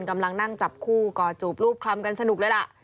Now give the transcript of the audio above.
กำลังนั่งจับคู่ก่อจูบรูปคลำกันสนุกเลยล่ะ